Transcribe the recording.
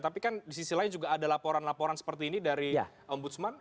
tapi kan di sisi lain juga ada laporan laporan seperti ini dari ombudsman